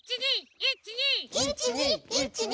１２１２！